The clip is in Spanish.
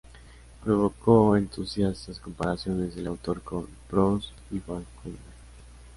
Provocó entusiastas comparaciones del autor con Proust y Faulkner.